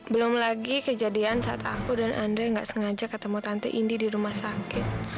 belum lagi kejadian saat aku dan anda nggak sengaja ketemu tante indi di rumah sakit